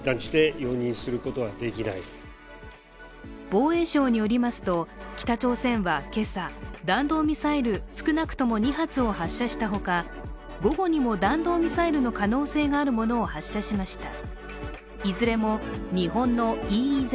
防衛省によりますと北朝鮮はけさ弾道ミサイル少なくとも２発を発射したほか午後にも弾道ミサイルの可能性があるものを発射しました。